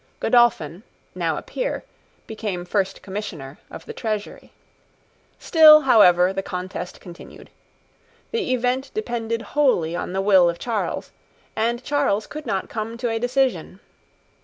Godolphin, now a peer, became First Commissioner of the Treasury. Still, however, the contest continued. The event depended wholly on the will of Charles; and Charles could not come to a decision.